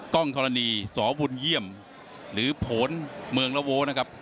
้องธรณีสบุญเยี่ยมหรือผลเมืองละโว้นะครับ